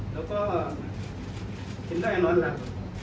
แล้วก็เห็นได้นอนหลับ